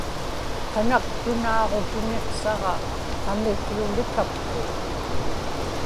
kanaktunaaġutiniqsaġa kamikłulikapku